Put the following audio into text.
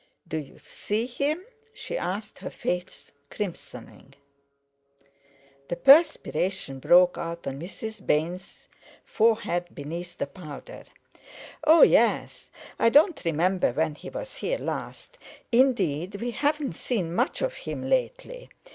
"Do you see him?" she asked, her face crimsoning. The perspiration broke out on Mrs. Baynes' forehead beneath the powder. "Oh, yes! I don't remember when he was here last—indeed, we haven't seen much of him lately.